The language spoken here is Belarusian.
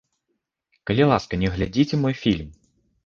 Калі ласка, не глядзіце мой фільм!